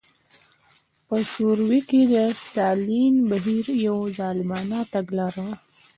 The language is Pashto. په شوروي کې د ستالین بهیر یوه ظالمانه تګلاره وه.